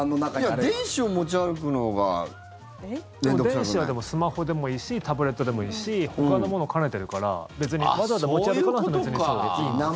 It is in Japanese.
いや電子を持ち歩くほうが電子はでもスマホでもいいしタブレットでもいいしほかのものを兼ねてるから別にわざわざ持ち歩かなくていいんですよ。